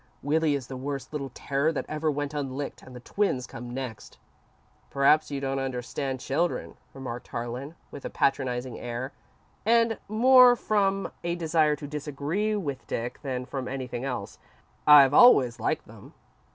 Willie is the worst little terror that ever went unlicked, and the twins come next." "Perhaps you don't understand children," remarked Harlan, with a patronising air, and more from a desire to disagree with Dick than from anything else. "I've always liked them."